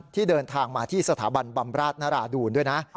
ที่เดินทางมาที่สถาบันบำราชนราดูนด้วยนะ